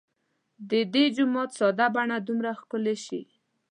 د دې جومات ساده بڼه دومره ښکلې شي.